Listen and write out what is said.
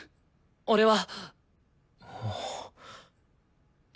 俺は。